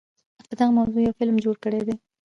په دغه موضوع يو فلم جوړ کړے دے